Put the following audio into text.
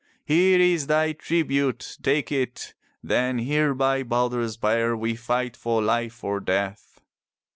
"Here is thy tribute. Take it. Then here by Haider's pyre we fight for life or death.